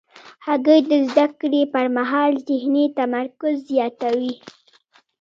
هګۍ د زده کړې پر مهال ذهني تمرکز زیاتوي.